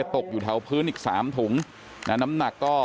ตกอยู่แถวพื้นอีกสามถุงนะน้ำหนักก็